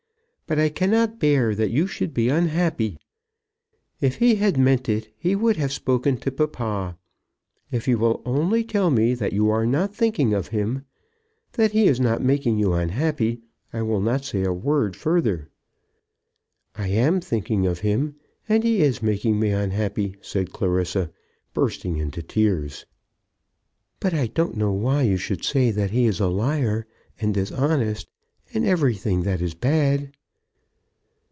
But I cannot bear that you should be unhappy. If he had meant it, he would have spoken to papa. If you will only tell me that you are not thinking of him, that he is not making you unhappy, I will not say a word further." "I am thinking of him, and he is making me unhappy," said Clarissa, bursting into tears. "But I don't know why you should say that he is a liar, and dishonest, and everything that is bad."